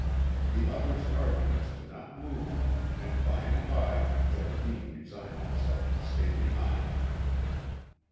The other's arguments did not move him and by and by Jardine resigned himself to stay behind.